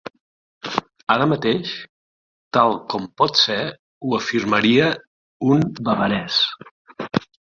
Ara mateix, tal com potser ho afirmaria un bavarès.